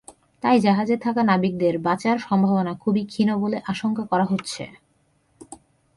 তাই জাহাজে থাকা নাবিকদের বাঁচার সম্ভাবনা খুবই ক্ষীণ বলে আশঙ্কা করা হচ্ছে।